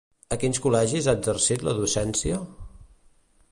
A quins col·legis ha exercit la docència?